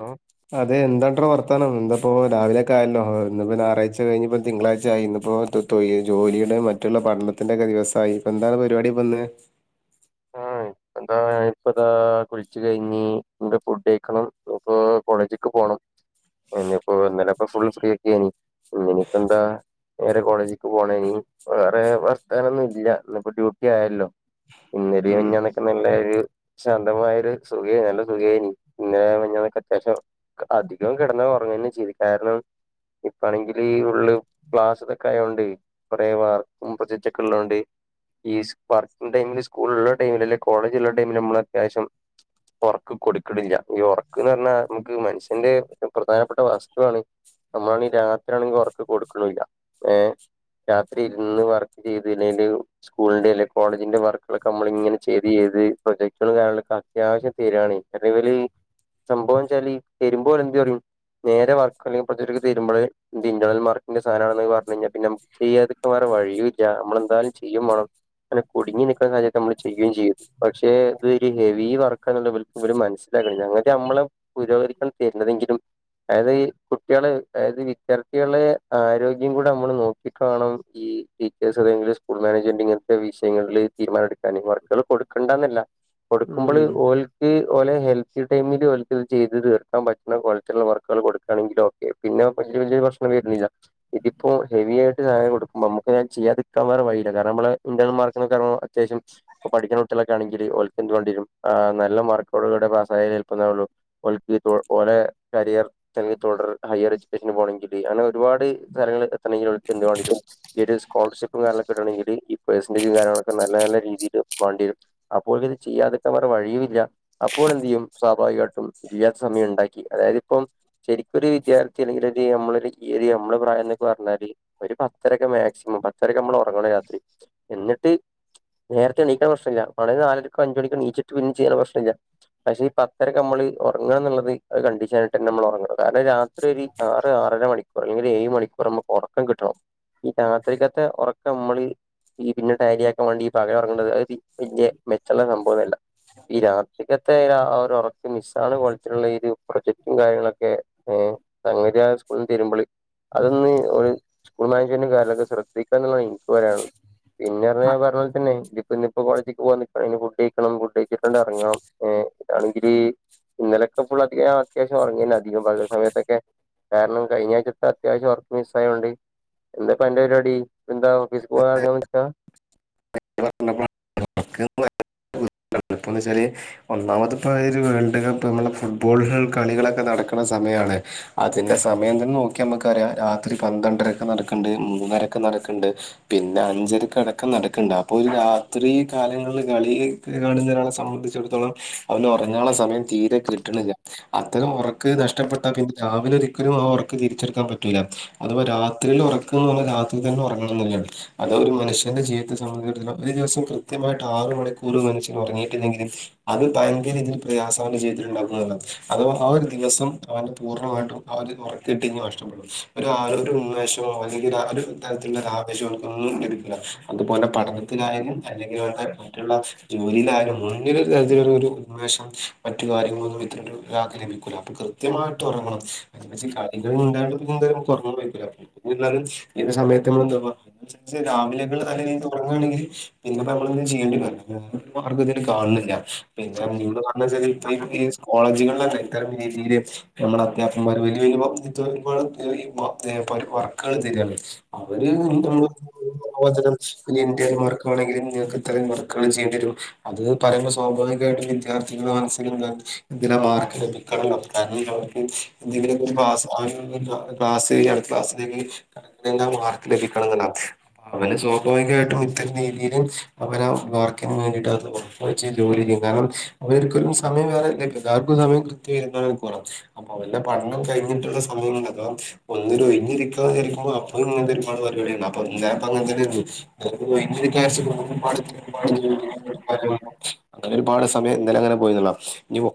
Hello അതെ എന്താണ്ട്രാ വർത്ത [inaudible] ഇന്നപ്പോ രാവിലൊക്കെ ആയല്ലോ ഇന്ന്പ്പോ ഞായറാഴ്ച കഴിഞ്ഞ തിങ്കളാഴ്ചയായി ഇന്ന്പ്പോ [unintelligible] ജോലിയും. ത് മറ്റുള്ള പഠനത്തിന്റെ ഒക്കെ ദിവസായി. എന്താണ് പരിപാടി ഇപ്പൊന്ന്. [unintelligible] എന്താ ഞാനിപ്പതാ കുളിച് കഴിഞ് ഫുഡ് കഴിക്കണം. ഇപ്പൊ കോളജിക്ക് പോണം. ഇനിയിപ്പോന്നലപ്പോ ഫുൾ സ്ഫ്രീട്ടി അയ്നി ഇഞ്ഞിനിപ്പെന്താ. നേരെ കോളേജക്ക് പോണം ഇനി വേറെ വർത്താനൊന്നും ഇല്ല ഇന്ന്പ്പോ ഡ്യൂട്ടി ആയാലോ. ഇന്നലിം ഉം, മിഞ്ഞാന്നൊക്കെ നല്ലെരു ശാന്തമായൊരു സുഖയ്നിം നല്ല സുഖയ്നിം ഇന്നലെ മിഞ്ഞാന്നൊക്കെ അത്യാവശ്യം അധികം കിടന്ന ഉറങ്ങന്നെ ചെയ്തു കാരണം. ഇപ്പാണെകിൽ ഈ ഫുള്ള് ക്ലാസ്സ്തൊക്കെ ആയോണ്ട് കുറെ വാർക്കും പ്രോജെറ്റോക്കെ ഉള്ളോണ്ട്. ഈസ് വർക്ക്‌ ടൈമിൽ സ്കൂളുള്ള ടൈമിൽ അല്ലെ കോളേജ് ഉള്ള ടൈമിൽ മ്മള് അത്യാവശ്യം. ഉറക്ക് കൊടുക്ണില്ല. ഈ ഉറക്ക്ന്ന് പറഞ്ഞാൽ നമുക്ക് മനുഷ്യന്റെ പ്രധാനപ്പെട്ട വസ്തുവാണ്. ഞമ്മളാണെ രാത്രി ആണെങ്കി ഉറക്ക് കൊടുക്ണില്ല ഏ രാത്രി ഇരുന്ന് വർക്ക് ചെയ്യ്തിലേൽ സ്കൂളിന്റെ അല്ല കോളേജിന്റെ വർക്ക് പ്പളൊക്കെ ഞമ്മളിങ്ങനെ ചെയ്ത് ചെയ്ത് പ്രൊജക്റ്റുകളും കാര്യങ്ങളൊക്കെ അത്യാവശ്യം തെരാണ് കാരണം ഇവല് സംഭവം വെച്ചാല് തെരുമ്പോ ഓല് എന്തു പറയും നേരെ വർക്ക് അല്ല പ്രജെക്ട് തെ രുമ്പോൾ ഇന്റർണൽ മാർക്കിന്റെ സാനാണ് പറഞ്ഞഴിഞ്ഞാൽ പിന്നെ ഞമ്മക്ക് ചെയ്യാതിരിക്കാൻ വേറെ വഴിയൂല്ല നമ്മളെന്തായാലും ചെയ്യും വാണംങ്ങനെ കുടുങ്ങി നിക്ക സാഹചര്യത്തിൽ നമ്മള് ചെയ്യും ചെയ്യും പക്ഷെ ഇത് ഹെവി വർക്കാണ്ന്ന് ഇവല് മനസ്സിലാക്ക്ണില്ല ന്നട്ട് അമ്മള് പുരോഗതിക്കാണ് തെരുന്നതെങ്കിലും. അതായത് കുട്ടികളെ അതായത് വിദ്യാർത്ഥികളെ ആരോഗ്യം കൂടെ നമ്മള് നോക്കികാണം ഈ ടീച്ചേഴ്സ് [unintelligible] സ്കൂൾ മാനേജ്മെന്റ് ഇങ്ങനത്തെ വിഷയങ്ങളില് തീരുമാനം എടുക്കാൻ വർക്കുകൾ കൊടുക്കണ്ടന്നല്ല കൊടുക്കുമ്പോൾ ഉം. ഓൽക്ക് ഓലെ ഹെൽതി ടൈമില് ഓൾക്കിത് ചെയ്ത് തീർക്കാൻ പറ്റുന്ന കോലത്തിലുള്ള വർക്കുകൾ കൊടുക്കാണെങ്കിലും ഓക്കെ പിന്നെ വല്യ വല്യ പ്രശ്നം വെര്ണില്ല ഇതിപ്പോ ഹെവി ആയിട്ട് താഴെ കൊടുക്കുംപോ നമുക്ക്ത് ചെയ്യാതിക്കാൻ വേറെ വഴിയില്ല കാരണം നമ്മെളെ ഇന്റെന്നൽ മാർക്കിന് [unintelligible] അത്യാവശ്യം പഠിക്കുന്ന കുട്ടിലൊക്കെ ആണെങ്കിൽ ഓൽക്ക് എന്ത്‌ വാണ്ടിവരും ആ നല്ല മാർക്കോട് കൂടെ പാസ്സായാൽ ചെലപ്പെന്താവുള്ളൂ ഓൽക്ക് ഓലെ കരിയർ തന്നെ തുടർ ഹയർ എഡ്യൂക്കേഷൻ പോണങ്കില് അങ്ങനെ ഒരുപാട് സ്ഥലങ്ങൾ എത്തണെങ്കിവേണ്ടിട്ടും ഈ ഒരു സ്കോളർഷിപ്പും കാര്യങ്ങളൊക്കെ കിട്ടേണെങ്കിൽ ഈ പെർസെന്റെജു കാര്യയങ്ങൾ നല്ല നല്ല രീതിൽ വാണ്ടി വെരും അപ്പോഴ് ഇത് ചിയ്യാതിരിക്കാൻ വേറെ വഴിയുല്ല അപ്പോൾ എന്ത് ചെയ്യും സ്വഭാ വികായിട്ടും ചെയ്യാൻ സമയം ഇണ്ടാക്കി അതായത് ഇപ്പോം ശരിക്കൊരു വിദ്യാർത്ഥി അല്ലെങ്കിലൊരു ഞമ്മളെ ഒരു ഞമ്മള് ഈ പ്രായന്നൊക്കെ പറഞ്ഞാല് ഒരു പത്തരൊക്കെ മാക്സിമം പത്തരക്ക് ഞമ്മൾ ഉറങ്ങണം രാത്രി എന്നിട്ട് നേരത്തെ എണീക്കാൻ പ്രശ്നമില്ല മാണെ നാലണിക്കൊ അഞ്ച് മണിക്കോണീച്ചിട്ട് പിന്നേ ചെയ്യാൻ പ്രശ്നമില്ല. പക്ഷെ ഈ പത്തരക്കമ്മൾ ഉറങ്ങണം എന്നുള്ളത് അത് കണ്ടിഷനായിട്ടെന്നെ അമ്മൾ ഉറങ്ങണം. കാരണം രാത്രി ഒരു ആറ് ആറര മണിക്കൂർ അല്ലെങ്കിൽ ഏഴ് മണിക്കൂർ അമ്മക്ക് ഒറക്കം കിട്ടണം. ഈ രാത്രീക്കത്തെ ഉറക്കമ്മള് ഈ പിന്നെ ടാരിയാക്കാൻ വേണ്ടി ഈ പകലുറങ്ങണത് അയ്തീ. വല്യ മെച്ചള്ള സംഭവൊന്നല്ല. ഈ രാത്രിക്കത്തെ ആ ഒരൊറക്ക് മിസ്സാണ കോലത്ത്ല്ള്ള ഈ രു. പ്രൊജക്ടും കാര്യങ്ങളൊക്കെ ങെ സംഗതിയാ സ്കൂള്ന്ന് തരുമ്പോള് അതൊന്ന് ഒരു. സ്കൂൾ മാനേജ്മെന്റ് കാര്യൊക്കെ ശ്രദ്ധിക്കാന്ന്ള്ളതാ ഇന്ക്ക് പറയാള്ള പിന്നെ പറഞ്ഞാ പോൽതന്നെ തിപ്പൊനിപ്പോ കോളേജിക്ക് പോവാനിക്കാനി ഞ് ഫുഡ്യ്ക്കണം ഫുഡ്യ്ച്ചിട്ട്ണ്ട് എറങ്ങണം ഏ ഇതാണെങ്കില്.. ഇന്നലൊക്കെ ഫുൾ അധിക അത്യാവിശം ഉറങ്ങേന്നധികം പകൽ സമയത്തൊക്കെ. കാരണം കഴിഞ്ഞാഴ്ചത്തെ അത്യാവശ്യം ഒർക്ക് മിസ്സായോണ്ട്. എന്താപ്പന്റെ പരിപാടി എന്താ ഓഫീസ് പോവാൻറങ്ങാൻ നിക്ക [unintelligible] [inaudible] പ്പന്നച്ചാൽ ഒന്നാമത്പ്പോ അ ഒരു വേൾഡ് കപ്പ് മ്മളെ ഫുട്ബോളുകൾ കളികളൊക്കെ നടക്ണ സമയമാണ്. അതിന്റെ സമയംതന്നെ നോക്കിയാ മ്മക്ക് അറിയാ രാത്രി പന്ത്രണ്ടരക്ക് നടക്ക്ണ്ട് മൂന്നരക്ക് നടക്ക്ണ്ട്. പിന്ന അഞ്ചരക്കടക്കം നടക്കണ്ടാ. അപ്പോ ഈ രാത്രി കാലങ്ങളിൽ കളി കാണുന്ന ഒരാളെ സംബന്ധിച്ചിടത്തോളം ഒന്നുറങ്ങാള്ള സമയാ തീരെ കിട്ടണില്ല അത്തരം ഉറക്ക് നഷ്ടപ്പെട്ട പിന്നെ രാവിലെ ഒരിക്കലും ആ ഉറക്ക് തിരിച്ചെടുക്കാൻ പറ്റൂല്ല. അത്പ്പൊ രാത്രില് ഉറക്ക്ന്നൊന്ന് രാത്രി തന്നെ ഉറങ്ങണംന്നില്ല്യ അത് ഒരു മനുഷ്യന്റെ ജീവിതത്തെ സംബന്ധിച്ചി ഒരു ദിവസം കൃത്യമായിട്ട് ആറ് മണിക്കൂർ മനഷ്യൻ ഉറങ്ങിയിട്ടില്ലെങ്കിലു അത് ഭയങ്കരതില് പ്രയാസാണ് ജീവിതത്തിലുണ്ടാക്കുന്ന്ള്ളത് അത് ആ ഒരു ദിവസം [unintelligible] പൂർണ്ണമായിട്ടും അവര് ഉറക്കിട്ട് ഇ നഷ്ടപ്പെടും ഒരുാരു ഉന്മേഷോ അല്ലെങ്കിലാ രു തരത്തിലുള്ള ആവേശോ ഒന്നും ലഭിക്കില്ല അതുപോലെ പഠന ത്തിലായാലും അല്ലെങ്കിൽ അവടെ മറ്റുള്ള ജോലിയിലായാലും മുന്നില് തരത്തില ഒരു ഉന്മേഷം മറ്റ് കാര്യങ്ങളൊന്നും [unintelligible] ലഭിക്കൂല അപ്പൊ കൃത്യമായിട്ടുറങ്ങണം അതിപ്പ ജി കളികളു [unintelligible] ഒറങ്ങുമ്പേയ്ക്കുല എന്നിര്ന്നാലും ഇന്ന സമയത്ത്മ്മ എന്താപ്പ രാവിലെള് നല്ല രീതിലുറങ്ങാണെങ്കില്. പിന്നെപ്പമ്മൾന്ത് ചെയ്യേണ്ടി വരുലെ ഒരു മാർഗം ഇതിന് കാണണില്ല പിന്നെ [unintelligible] പറഞ്ഞെച്ചാൽ ഇപ്പ ഈ സ് കോളേജുകളിലൊക്കെ ഇകരം. രീതിയില് നമ്മള അത്യാപംമാര് [unintelligible] വർക്ക്കള് തര്കാണ് അവര് [unintelligible] ണെങ്കിലിൽ നിങ്ങൾക്ക് ഇത്രയും വർക്കുകൾ ചെയ്യേണ്ടി വരും അത് പറയുമ്പോൾ സ്വാഭാവികമയിട്ടും വിദ്യാർത്ഥികളു മനസില് ന്താ ഇതിന മാർക്ക് ലഭിക്കണം [unintelligible] അവർക്ക് എന്തെങ്കിലൊക്കൊര് [unintelligible] ക്ലാസ്സ്‌ [unintelligible] ക്ലാസ് [unintelligible] കറന്തന്ന മാർക്ക് ലഭിക്കണന്ന്ണ്ടാര്ന് അപ്പവന് സ്വാഭാവികായിട്ടും ഇതി [unintelligible] അവനാ വർക്കിന് വേണ്ടിട്ടത് ഒറക്കൊഴിച്ച് ജോലിയ്യും കാരണം അവര്ക്കൊലും സമയം വേറെ. ൻക് എല്ലാർക്കും സമയം കൃത്യരത്നാല് മണികൂറ അപ്പൊ അവന്റെ പഠനം കഴിഞ്ഞിട്ടുള്ള സമയണ്ടല്ലൊ ഒ ഒരൊയ്ഞ്ഞിരിക്കാന്ന വിചാരിക്കുമ്പൊ അപ്പങ്ങനത്തെ ഒരുപാട് പരിപാടിണ്ട് അപ്പൊ ഞാ പ്പൊങ്ങൻതന്നെര്ന്നു. [unintelligible] [unintelligible] [unintelligible] ഇന്നല അങ്ങനെ പോയിന്നുള്ളാം ഞ്വൊ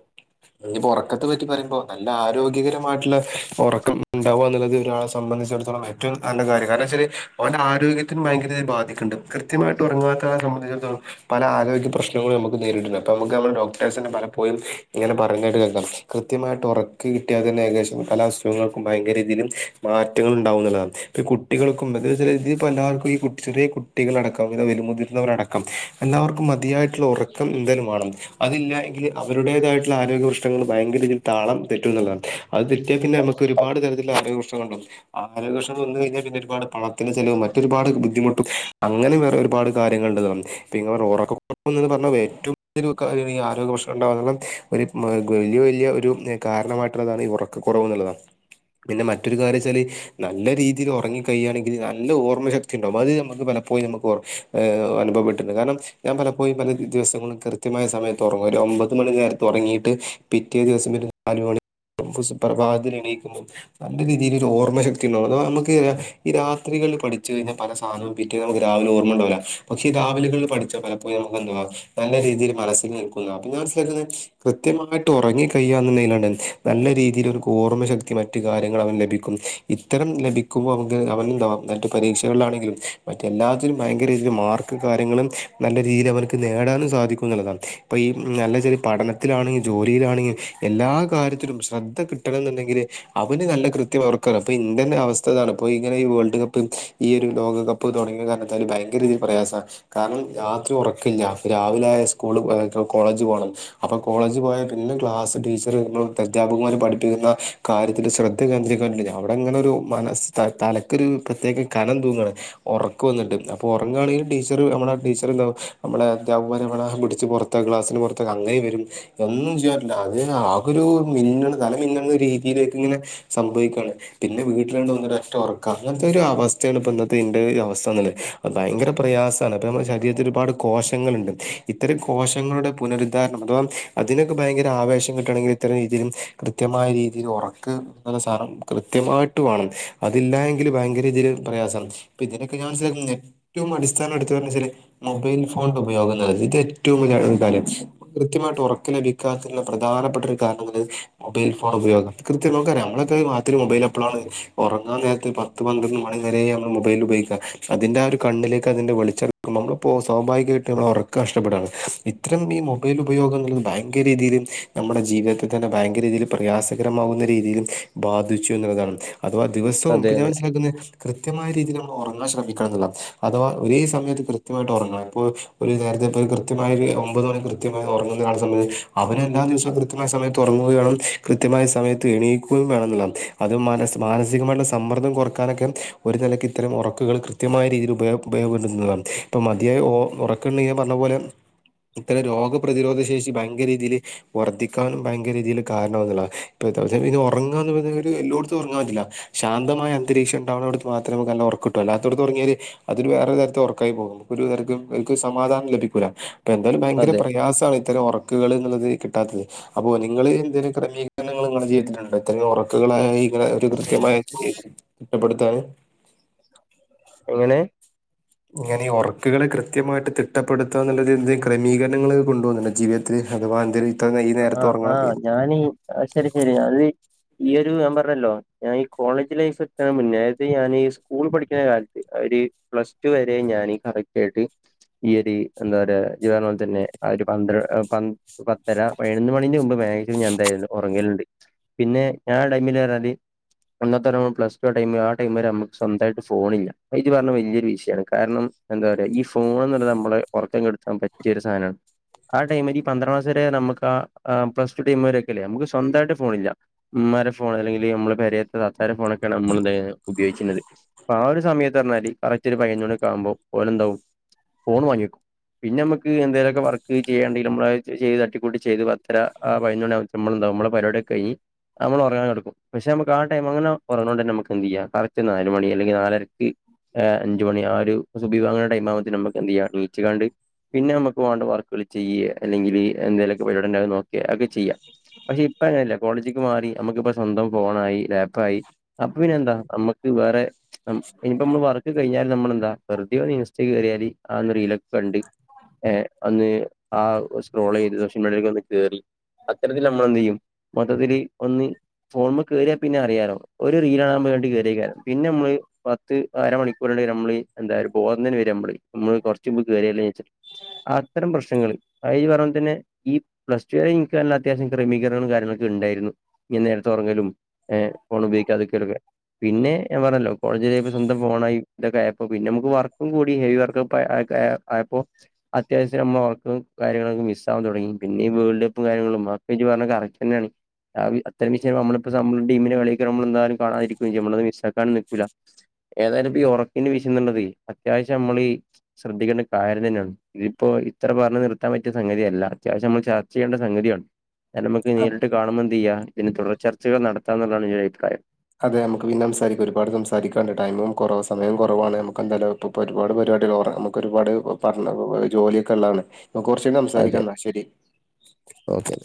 ഇഞ്പ്പോ ഒറക്കത്തെ പറ്റി പറയുമ്പോ നല്ല ആരോഗ്യകരമായിട്ടുള്ള ഒറക്കം. ഉണ്ടാവാന്നുള്ളത് ഒരാളെ സംബന്ധിച്ചെടുത്തോളം ഏറ്റവും നല്ല കാര്യാ കാരണെന്തയ്ച്ചാല് ഓന്റെ ആരോഗ്യത്തിന് ഭയങ്കരായി ബാധിക്കണ്ട് കൃത്യമായിട്ട് ഉറങ്ങാത്ത സമ്പന്തിച്ചിടത്തോളം പല ആരോഗ്യ പ്രശ്നങ്ങളും ഞമ്മക്ക് നേരിട്ടുണ്ട് അപ്പൊ നമ്മക്ക് ഞമ്മളെ ഡോക്ടേ്സിനെ പലപ്പോയി ഇങ്ങനെ പറഞ്ഞണ്ട് കേൾക്കണം കൃത്യമായിട്ട് ഉറക്ക് കിട്യാ തന്നെ ഏകദേശം പല അസുഖങ്ങൾക്കും ഭയങ്കരതിലും മാറ്റങ്ങളുണ്ടാവുന്ന്ള്ളതാണ് ഇപ്പൊ ഈ കുട്ടികൾക്കും ന്ത് വെച്ചാല് പ്പെല്ലാർക്കും ഈ കു ചെറിയെ കുട്ടികളടക്കം കവിത വലുമുതിർന്നവരടക്കം എല്ലാവർക്കും മതിയായിട്ടുള്ള ഉറക്കം ന്തായാലും വേണം അതില്ല എങ്കില് അവര് അവരുടേതായിട്ടുള്ള ആരോഗ്യ പ്രശ്നങ്ങള് ഭയങ്കര രീതീല് താളം തെറ്റുന്നുള്ളതാണ് അത് തെറ്റിയാ പിന്നെമ്മക്ക് ഒരുപാട് തരത്തിലുള്ള അറിവു പ്രശ്ണങ്ങളുണ്ടാവും ആരോഗ്യപ്രശ്നം വന്നു കഴിഞ്ഞാ പിന്നെ ഒരുപാട് പണത്തിന്റെ ചെലവ് മറ്റൊരുപാട് ബുദ്ധിമുട്ടും അങ്ങനെ ഒരുപാട് കാര്യങ്ങളുണ്ടതാനും പ്പ ഇങ്ങ പറഞ്ഞത് [unintelligible] ഏറ്റവും ആരോഗ്യ പ്രശ്നണ്ടാവാനുള്ള. ഒരു മ ഗല്യ വല്യ ഒരു കാരണമായിട്ടുള്ളതാണ് ഈ ഉറക്ക കുറവ്ന്നുള്ളതാ. പിന്നെ മറ്റൊരു കാര്യച്ചാല് നല്ല രീതീല് ഉറങ്ങി കഴിയാണെങ്കില് നല്ല ഓർമ്മ ശക്തി ഉണ്ടാകും അത് നക്ക്മ്മ പലപ്പോഴും ഞമ്മ [unintelligible] അനുഭവപ്പെട്ടുണ്ട് കാരണം ഞാൻ പലപ്പോഴും പല ദിവസങ്ങളും കൃത്യമായ സമയത്തുറങ്ങും ഒരൊമ്പത് മ നേരത്തുറങ്ങീട്ട് പിറ്റേ ദിവസം ഒരു നാലു മണി സുപ്രഭാതത്തിലെണീക്കുമ്പം നല്ല രീതിയില ഒരുഓർമ്മ ശക്തി ണ്ടാകും അപ് നമുക്ക് ഈ രാത്രി. ല് പഠിച്ചു കഴിഞ്ഞ പല സാനും പിറ്റേന്നമ്മക്ക്. രാവില ഓർമ്മണ്ടാവൂല പക്ഷെ ഈ രാവിലകളിൽ പഠിച്ച പലപ്പോഴും നമുക്ക് എന്തുവാ നല്ല രീതിയിൽ മനസ്സിൽ നിൽക്കുന്ന പിന്ന മനസിലാകുന്നെ കൃത്യമായിട്ട് ഒറങ്ങി കഴിയാന്നൊണ്ടെങ്കിൽ നല്ല രീതിൽ ഓര്ക്ക് ഓർമ്മ ശക്തി മറ്റ് കാര്യ ങ്ങൾ അവന് ലഭിക്കും ഇത്തരം ലഭിക്കുമ്പോ അവനക് അവനെന്താ മറ്റു പരീക്ഷകളിലാണെങ്കിലും മ എല്ലാത്തിലനും ഭയങ്കര രീതിൽ മാർക്ക് കാര്യങ്ങളും നല്ല രീതിയിൽ അവർക്ക് നേടാനും സാധിക്കും എന്നുള്ളതാണ് ഇപ്പൊ ഈ നല്ല ചെറിയ പഠനത്തിലാണെങ്കും ജോലിയിലാണെങ്കും എല്ലാ കാര്യത്തിലും ശ്രദ്ധ കിട്ടണം എന്നുണ്ടെങ്കില് അവന് നല്ല കൃത്യം അവർക്കാണ് അപ്പൊ ഇന്ത്യന്റെ അവസ്ഥതാണ് ഇപ്പ ഇങ്ങനെ വേൾഡ് കപ്പും ഈ ഒരു ലോകകപ്പ് തുടങ്ങിയ കാരണത്താല് ഭയങ്കര രീതിയിൽ പ്രയാസാ കാരണം രാത്രി ഒറക്കില്ല രാവിലെ ആയ സ്കൂള് [unintelligible] കോളജ് പോണം അപ്പ കോളേജ് പോയാ പിന്നെ ക്ലാസ് ടീച്ചർ അധ്യാപകൻമാര് പഠപ്പിക്കുന്ന കാ കാര്യത്തിൽ ശ്രദ്ധ കേന്ദ്രികരിക്കാന്ണ്ട് അവിടെ ഇങ്ങനെ ഒരു മനസ്സ് തലക്കൊരു പ്രത്യേകം കനം തൂങ്ങാണ് ഉറക്ക വന്നിട്ട് അപ്പോൾ ഉറങ്ങുകയാണെങ്കിൽ ടീച്ചർ നമ്മളുടെ ടീച്ചർ എന്താ നമ്മളെ അധ്യാപകന്മാര് നമ്മളെ പിടിച്ച് പുറത്ത ക്ലാസിന് പുറത്താക്കും അങ്ങനെ വരും ഒന്നും ചെയ്യാറില്ല അതിന് ആകൊരു മിന്നണ തല മിന്നണ രീതിയില് ഇങ്ങനെ സംഭവിക്കാണ് പിന്നെ വീട്ടിലാണ്ട് വന്നിട്ട് ഒറ്റ ഒറക്ക അങ്ങനത്തെ ഒരു അവസ്ഥയാണ് ഇപ്പൊ ഇന്നത്തെ അവസ്ഥന്നുള്ളത് ഭയങ്കര പ്രയാസാണ് അപ്പൊ നമ്മുടെ ശരീരത്തി ഒരുപാട് കോശങ്ങളുണ്ട് ഇത്തരം കോശ ങ്ങളുടെ പുനരുദ്ധാരണം അഥവാ അതിനൊക്കെ ഭയങ്കര ആവേശം കിട്ടണെങ്കിൽ ഇത്തരം രീതിയിലും കൃത്യമായ രീതിയിലും ഒറക്കം എന്ന സാനം കൃത്യമായിട്ട് വേണം അതില്ല എങ്കില് ഭയങ്കര രീതിൽ പ്രയാസം ആണ് ഇപ്പ ഇതിനൊക്കെ ഞാൻ മനസ്സിലാക്കുന്ന ഏറ്റവും അടിസ്ഥാനം എടുത്തു പറഞ്ഞു വെച്ചാൽ മൊബൈൽ ഫോൺ ഉപയോഗംന്നു പറഞ്ഞാൽ ഇത് ഏറ്റവും വല്യ കാര്യാ കൃത്യമായിട്ട് ഒറക്ക ലഭിക്കാത്തുള്ള പ്രധാനപ്പെട്ട ഒരു കാരണംന്നുള്ളത് മൊബൈൽ ഫോൺ ഉപയോഗം കൃത്യം നോക്കറിയാ നമ്മളൊക്കെ മാത്രി മൊബൈൽ എപ്പോഴാണ് ഒറങ്ങാൻ നേരത്തെ പത്ത് പന്ത്രണ്ട് മണി വരെ നമ്മൾ മൊബൈ ൽ ഉപയോഗിക്കുക അതിന്റെ ആ ഒരു കണ്ണിലേക്ക് അതിൻന്റെ വെളിച്ചിറക്കും നമ്മളിപ്പോ സ്വാഭാവികമായിട്ട് നമ്മൾ ഉറക്കംഷ്ടപ്പെടാണ് ഇത്തരം ഈ മൊബൈൽ ഉപയോഗങ്ങൾ ഭയങ്കരീതിൽ നമ്മുടെ ജീവിതത്തിൽ തന്നെ ഭയങ്കരീതിയിൽ പ്രയാസക രമാകുന്ന രീതിൽ ബാധിച്ചു എന്നുള്ളതാണ് അഥവാ ദിവസവും അതെ ഇപ്പ ഞാൻ അതെ മനസിലാക്കുന്നത് കൃത്യമായ രീതിയില ഒറങ്ങാൻ ശ്രമിക്കണംന്നുള്ളതാണ് അഥവാ ഒരേ സമയത്ത് കൃത്യമായിട്ട് ഒറങ്ങണം ഇപ്പോ ഒരു നേരത്തെ ഇപ്പ കൃത്യമായ ഒമ്പത് മണി കൃത്യമായി ഉറങ്ങുന്ന ഒരാളെ സംബന്ധിച്ച് അവര് എല്ലാ ദിവസവും കൃത്യമായ സമയത്ത് ഉറങ്ങുകയും വേണം കൃത്യമായ സ സമയത്ത് എണീക്കുകയും വേണന്നുള്ളതാണ് അത് മാനസികമായിട്ടുള്ള സമ്മർദ്ദം കുറക്കാനൊക്കെ ഒരു നിലക്ക് ഇത്തരം ഒറക്കുകൾ കൃത്യമായ രീതിയിൽ ഉപയ ഉപയോഗപ്പെുന്നതാണ് ഇപ്പൾ മതിയായ ഒറക്കണ്ടെങ്കി ഞാൻ പറഞ്ഞ പോലെ ഇത്തരം രോഗപ്രതിരോധ ശേഷി ഭയങ്കര രീതിൽ വർദ്ധിക്കാനും ഭയങ്കരീതിൽ കാരണമാകുന്നുള്ളതാണ് ഇപ്പ അത്യാവശ്യം ഇനി ഒറങ്ങാ എന്ന് പറഞ്ഞ എല്ലോടത്തുംറങ്ങാൻ പറ്റില്ല ശാന്തമായ അന്തരീക്ഷ ഉണ്ടാവാണോടത്തു മാത്ര നല്ല ഒറക്കം കിട്ടും അല്ലാത്തടത്ത് ഒറങ്ങിയാല് അതൊരു വേറെ തരത്തെ ഒറക്കായി പോകും ഒരു തരക്കും നിക്ക് ഒരു സമാധാനം ലഭിക്കൂല്ല എന്തായാലും ഭയങ്കര അതെ പ്രയാസാണ് ഇത്തരം ഉറക്കുകൾ ന്നുള്ളത് കിട്ടാത്തത് അപ്പോ നിങ്ങൾ എന്തെലും ക്രമീകരണങ്ങൾ നിങ്ങളുടെ ജീവിതത്തിലുണ്ടോ ഇത്രയും ഉറക്കുകളായി ഇങ്ങനെ ഒരു കൃത്യമായ കുറ്റപ്പെടുത്താന് എങ്ങനെ ഇങ്ങനെ ഈ ഉറക്കുകളെ കൃത്യമായിട്ട് തിട്ടപ്പെടുത്തുക എന്നുള്ള എന്തെ ക്രമീകരണങ്ങള് കൊണ്ടു പോകുന്നുണ്ട ജീവിതത്തിത്തില് അത് മാതിരി ആ ആ ഞാനീ ശരി ശരി അത് ഇയൊരു ഞാൻ പറഞ്ഞല്ലോ ഞാൻ ഈ കോളേജ് ലൈഫ് എത്ത്ണെ മുന്നേ അായത് ഞൻ ഈ സ്കൂൾ പഠിക്കുന്ന കാലത്ത് പ്ലസ്ടു വരെ ഞാന് കറക്റ്റായിട്ട് ഇയൊര് എന്താ പറയാ ജ് പോലെ തന്നെ ആ ഒരു പന്ത്ര പൻ പത്തര ന്റെ മുമ്പ് മാക്സിമം ഞാ എന്തായാലും ഒറങ്ങല്ണ്ട് പിന്നെ ഞാൻ ടൈമിലർ ഞ്ഞാല് ന്നത്തൊരു പ്ലസ് ടു ടൈം ആ ടൈം വരെ നമക്ക് സ്വന്തയിട്ട് ഫോണില്ല ഇജ് പറഞ്ഞ വലിയൊരു വിഷയണ് കാരണം എന്താ പറയാ ഈ ഫോൺ എന്നുള്ളത് നമ്മളെ ഉറക്കം കെടുത്താൻ പറ്റിയൊരു സാനാണ്. ആ ടൈമ് ല് ഈ പന്ത്ര ക്ലസ് വരെ നമക്ക് അ ആ പ്ലസ്ടു ടൈം വരെക്കല്ലേ നമുക്ക് സ്വന്തായിട്ട് ഫോൺ ഇല്ല മ്മാരെ ഫോണ് അല്ലെങ്കില് നമ്മളെ പെരേ ത്താരം ഫോണൊക്കെയാണ് നമ്മള് ഉപയോഗിക്കുന്നത് അ ആ ഒര് സമയത്ത് ർഞ്ഞാല് കറക്റ്റ് ഒരു പതിനൊന്ന് മണിക്കെ ആകുമ്പോ ഓലെന്താവും ഫോൺ വാങ്ങി വക്കും പിന്നെ നമക്ക് എന്തേലൊക്കെ വർക്ക് ചെയ്യണ്ടെങ്കി നമ്മ ചെയ്ത് തട്ടിക്കൂട്ടി ചെയ്ത് പത്തര ആ പൈനൊണമ്മളണ്ടാവും നമ്മൾ പരിപാടിയൊക്ക കഴിഞ്ഞ് നമ്മൾ ഒറങ്ങാൻ കെട്ക്കും പക്ഷെ നമുക്ക് ആ ടൈം അങ്ങനെ ഉറങ്ങ്ണൊണ്ടന്നെ നമക്ക് എന്തെയ്യ റച്ച് നാല് മണി അല്ലെങ്കിൽ നാലരക്ക് ഏ അഞ്ചുമണി ആ ഒരു സുബി വാങ്ങന ടൈം ആവ്പ നമുക്ക് എന്ത് ചെയ്യ നീച്ച് കാണ്ട് പിന്നെ നമുക്ക് വേണ്ട വർക്കുകൾ ചെയ്യേ അല്ലെങ്കില് എന്തേ [unintelligible] നോക്കെ അതൊക്കെ ചെയ്യാ പക്ഷെ ഇപ്പ അങ്ങനല്ല കോളേജ്ക്ക് മാറി നമക്കിപ്പ സ്വന്തം ഫോണായി ലാപ് യി അപ്പോ പിന്നെന്ത അമ്മക്ക് വേറെ ഇനിപ്പോ നമ്മള് വർക്ക് കഴിഞ്ഞാല് നമ്മളെന്താ വെറുതെന്ന് ഇൻസ്റ്റ കയറിയല് ആ ന്ന് റീല ണ്ട് ഏ അന്ന് ആ സ്ക്രോൾ ചെയ്ത് സോഷ്യൽ മീഡിയ ഒന്ന് കേറി അത്തരത്തിൽ നമ്മളെന്തെയ്യും മൊത്തത്തില് ഒന്ന് ഫോണ്മ്മല് കേറിയാൽ പിന്നെ അറിയാലോ ഒരു റീലാണ കേറിക്കാരം പിന്നെ നമ്മള് പത്ത് അരമണിക്കൂരട് നമ്മള് എന്ത ബോധം തന്നെ വര നമ്മള് [unintelligible] കയറിയാച്ച അത്തരം പ്രശ്നങ്ങൾ പറഞ്ഞ പോലെ തന്നെ ഈ പ്ലസ് ടു വരെ ഇൻക്ക് നല്ല അത്യാവശ്യം ക്രമീകരണങ്ങളും കാര്യങ്ങളൊക്കെ ഇണ്ടായിരുന്നു ഇങ്ങന നേരത്തെ ഒറങ്ങലും എ ഫോണ് ബയോഗിക്കാതെക്കലൊക്കെ പിന്നെ ഞാൻ പറാഞ്ഞല്ലോ കോളേജില സ്വന്തം ഫോണായി ഇതൊക്കെ ആയപ്പോ പിന്നെ നമുക്ക് വർക്കും കൂടി ഹെവി വർക്കും പെ ത ആയപ്പോ അത്യാവശ്യം നമ്മ ഒറക്കും കാര്യങ്ങളൊക്കെ മിസ് ൻ തുടങ്ങി പിന്നെഈ വേൾഡ് കപ്പും കാര്ങ്ങളുംക്കെ ജ്ജ് പറഞ്ഞ കറക്റ്റ്ന്നെയാണ് ആ അത്തരം വിഷയം നമ്മളിപ്പോ നമ്മുടെ ടീമിനെ കളിയൊക്ക നമ്മൾ എന്താലും കാണാതിരിക്ക നമ്മളത് മിസ്സാക്കാനും നിക്കൂല്ല ഏതായാലും പ്പ ഈ ഉറക്കിന് വിശയന്നർഞ്ഞത് അത്യാവശ്യം നമ്മളീ ശ്രദ്ധിക്കേണ്ട കാര്യം തന്നെയാണ് ഇതിപ്പോ ഇത്ര പറഞ്ഞു നിർത്താൻ പറ്റിയ സംഗതിയല്ല ഇല്ല അത്യാവശ്യം നമ്മൾ ചർച്ച ചെയ്യേണ്ട സംഗതിയാണ് നമുക്ക് അ- നേരിട്ട് കാണുമ്പോന്ത്യ്യ ഇതിന് തുടർ ചർച്ചകൾ നടത്താന്നുള്ളതാണ് ഞ അഭിപ്രായം അതെ നമുക്ക് പിന്നെ സംസാരിക്ക ഒരുപട് സംസാരിക്കാണ്ട് ടൈമും കുറവ സമയ കുറവാണ് നമുക്കെന്തായാലും ഒരുപാട് പേര് ട് ഓ നമുക്ക് ഒരുപാട് ജോലിയൊക്കൊള്ളാണ് കുറച്ചയ്ഞ്ഞിട്ട് സംസാരിക്ക അതെ ന്നാ ശരി. ഓക്കെ